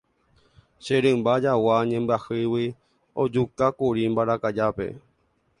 Che rymba jagua ñembyahýigui ojukákuri mbarakajápe.